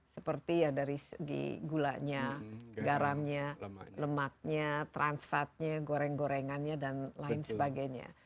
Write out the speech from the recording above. seperti ya dari segi gulanya garamnya lemaknya transfatnya goreng gorengannya dan lain sebagainya